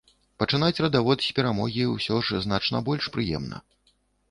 Пачынаць радавод з перамогі ўсё ж значна больш прыемна.